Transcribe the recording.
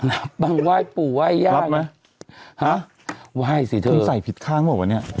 รับบ้างว่ายปู่ว่ายย่างรับไหมฮะว่ายสิเธอคุณใส่ผิดข้างบอกว่าเนี้ย